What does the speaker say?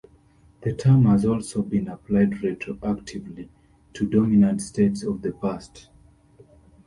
The term has also been applied retroactively to dominant states of the past.